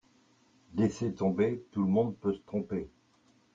Laissez tomber. Tout le monde peut se tromper.